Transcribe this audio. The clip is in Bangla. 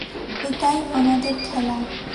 এটাই আমাদের খেলা।